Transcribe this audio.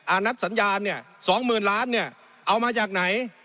นัดสัญญาณเนี่ยสองหมื่นล้านเนี่ยเอามาจากไหน